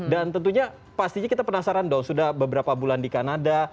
tentunya pastinya kita penasaran dong sudah beberapa bulan di kanada